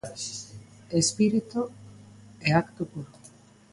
Espírito e acto puro.